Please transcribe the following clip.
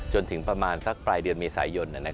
จนถึงประมาณสักปลายเดือนเมษายน